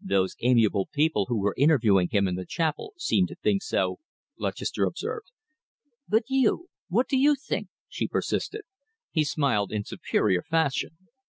"Those amiable people who were interviewing him in the chapel seemed to think so," Lutchester observed. "But you! What do you think?" she persisted. He smiled in superior fashion.